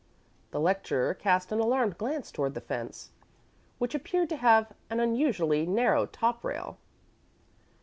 The lecturer cast an alarmed glance toward the fence, which appeared to have an unusually narrow top rail.